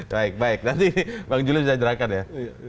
baik baik nanti bang juli sudah jelaskan ya